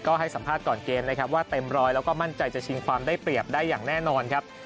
ก็ให้สัมภาษณ์ก่อนเกมนะครับว่าเต็มร้อยแล้วก็มั่นใจจะชิงความได้เปรียบได้อย่างแน่นอนครับ